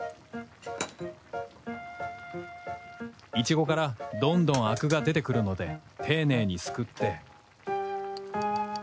イチゴからどんどんアクが出てくるので丁寧にすくって